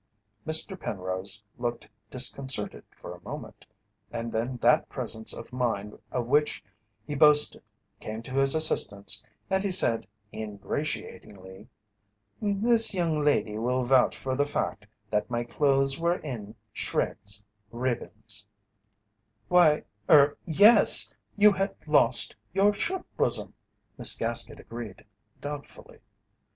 Mr. Penrose looked disconcerted for a moment, and then that presence of mind of which he boasted came to his assistance and he said ingratiatingly: "This young lady will vouch for the fact that my clothes were in shreds ribbons " "Why er yes, you had lost your shirt bosom," Miss Gaskett agreed, doubtfully.